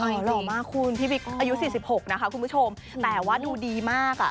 หล่อมากคุณพี่บิ๊กอายุ๔๖นะคะคุณผู้ชมแต่ว่าดูดีมากอ่ะ